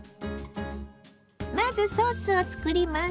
まずソースを作ります。